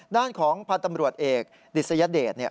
ด้านของพาตำรวจเอกดิสยเดช